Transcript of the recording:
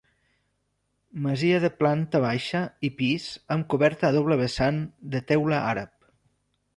Masia de planta baixa i pis amb coberta a doble vessant de teula àrab.